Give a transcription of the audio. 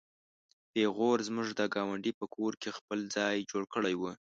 پيغو زموږ د ګاونډي په کور کې خپل ځای جوړ کړی و.